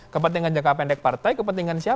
kepentingan jangka pendek partai kepentingan anggota dpr